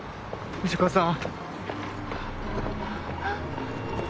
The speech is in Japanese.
藤子さん。